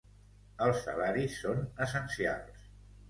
Els salaris són essencials.